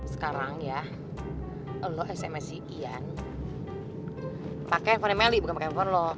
sekarang ya lo sms nya si ian pakai handphone nya meli bukan pakai handphone lo